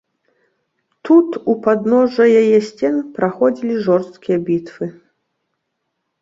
Тут, у падножжа яе сцен, праходзілі жорсткія бітвы.